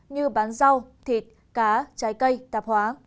như bán rau thịt cá trái cây tạp hóa